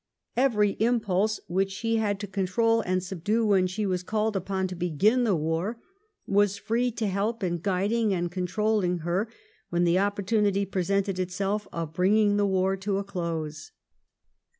Every impulse which she had to control and subdue when she was called upon to begin the war, was free to help in guiding and controlling her when the opportunity presented itself of bringing the war to a close.